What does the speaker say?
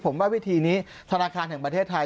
ผมว่าวิธีนี้ธนาคารแห่งประเทศไทย